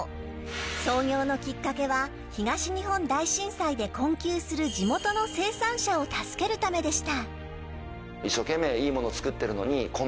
創業のきっかけは東日本大震災で困窮する地元の生産者を助けるためでした。